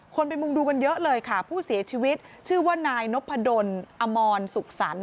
ไปมุงดูกันเยอะเลยค่ะผู้เสียชีวิตชื่อว่านายนพดลอมรสุขสรรค